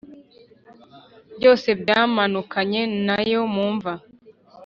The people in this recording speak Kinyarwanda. f Byose byamanukanye na yo mu mva